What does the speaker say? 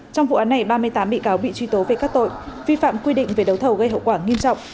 trong vụ án này ba mươi tám bị cáo bị truy tố về các tội vi phạm quy định về đấu thầu gây hậu quả nghiêm trọng